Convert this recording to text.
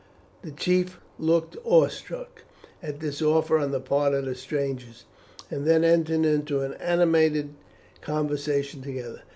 The chiefs looked awestruck at this offer on the part of the strangers, and then entered into an animated conversation together.